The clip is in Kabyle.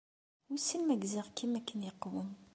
Wissen ma gziɣ-kem akken yeqwem.